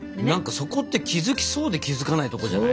そこって気付きそうで気付かないとこじゃない？